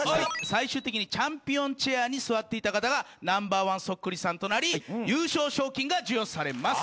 最終的にチャンピオンチェアに座っていた方がＮｏ．１そっくりさんとなり優勝賞金が授与されます。